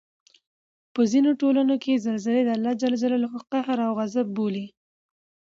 په ځینو ټولنو کې زلزله د الله ج قهر او غصب بولي